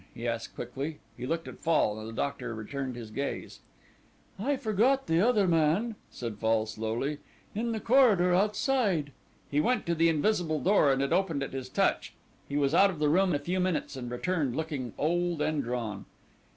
he asked quickly. He looked at Fall, and the doctor returned his gaze. "I forgot the other man," said Fall slowly; "in the corridor outside." He went to the invisible door and it opened at his touch. He was out of the room a few minutes, and returned looking old and drawn.